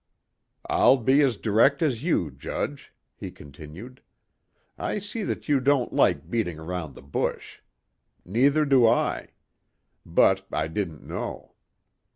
"I'll be as direct as you, Judge," he continued. "I see that you don't like beating around the bush. Neither do I. But I didn't know.